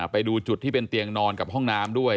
ไปดูจุดที่เป็นเตียงนอนกับห้องน้ำด้วย